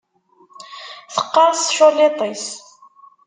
Teqqeṛs tculliḍt-is.